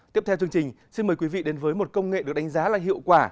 tiếp theo chương trình xin mời quý vị đến với một công nghệ được đánh giá là hiệu quả